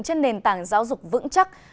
trên nền tảng giáo dục vững chắc